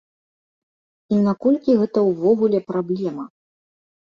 І наколькі гэта ўвогуле праблема?